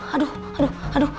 aduh aduh aduh